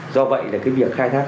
do vậy việc khai thác